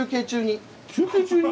休憩中に？